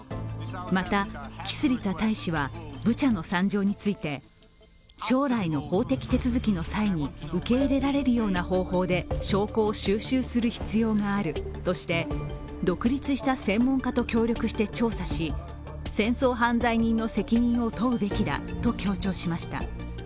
また、キスリツァ大使はブチャの惨状について将来の法的手続きの際に受け入られるような方法で証拠を収集する必要があるとして独立した専門家と協力して調査し、戦争犯罪人の責任を問うべきだと強調しました。